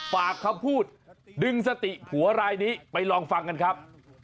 ปากคำพูดดึงสติผัวรายนี้ไปลองฟังกันครับ